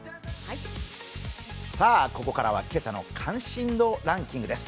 ここからは今朝の関心度ランキングです。